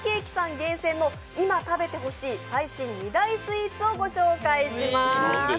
厳選の今食べてほしい最新２大スイーツをご紹介します。